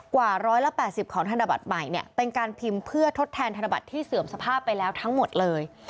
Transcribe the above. กว่า๑๘๐ของธนบัตรใหม่เนี่ยเป็นการพิมพ์เพื่อทดแทนธนบัตรที่เสื่อมสภาพไปแล้วทั้งหมดเลย